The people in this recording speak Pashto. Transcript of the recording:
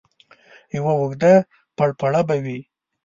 یوه اوږده پړپړه به وي.